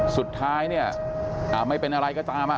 สุดท้ายเนี่ยไม่เป็นอะไรก็ตาม